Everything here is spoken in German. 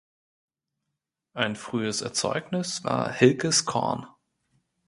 Ein frühes Erzeugnis war „Hilke’s Korn“.